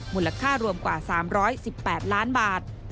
มูลค่ารวมกว่า๓๑๘ล้านบาท